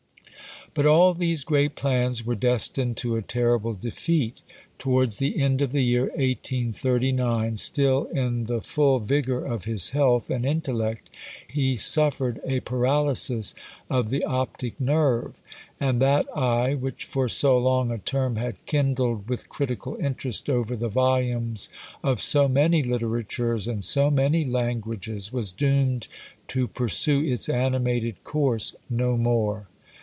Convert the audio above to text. But all these great plans were destined to a terrible defeat. Towards the end of the year 1839, still in the full vigour of his health and intellect, he suffered a paralysis of the optic nerve; and that eye, which for so long a term had kindled with critical interest over the volumes of so many literatures and so many languages, was doomed to pursue its animated course no more.